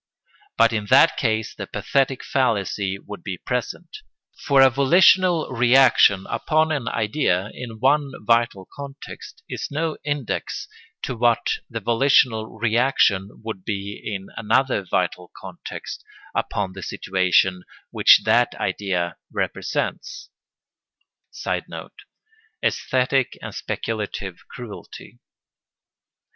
But in that case the pathetic fallacy would be present; for a volitional reaction upon an idea in one vital context is no index to what the volitional reaction would be in another vital context upon the situation which that idea represents. [Sidenote: Æsthetic and speculative cruelty.